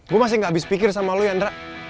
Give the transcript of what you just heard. gua masih ga abis pikir sama lu yandra